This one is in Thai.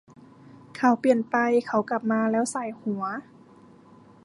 เขาเปลี่ยนไปเขากลับมาแล้วส่ายหัว